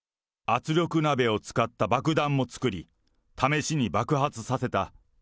圧力鍋を使った爆弾も作り、試しに爆発させた。